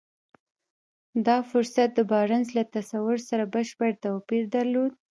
دا فرصت د بارنس له تصور سره بشپړ توپير درلود.